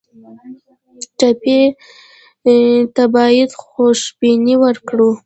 ټپي ته باید خوشبیني ورکړو.